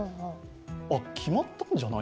あ、決まったんじゃない？